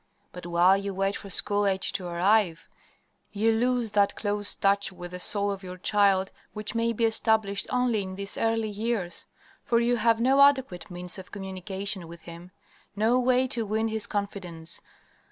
But while you wait for school age to arrive, you lose that close touch with the soul of your child which may be established only in these early years, for you have no adequate means of communication with him no way to win his confidence.